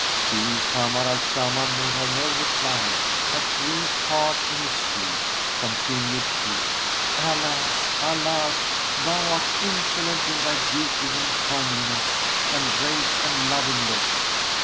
Still Kamar al Zaman made her no reply but breathed hard in his sleep. Continued she, "Alas! Alas! thou art insolent in thy beauty and comeliness and grace and loving looks!